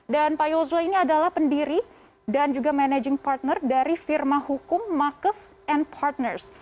dan pak yul zulmakas ini adalah pendiri dan juga managing partner dari firma hukum makes and partners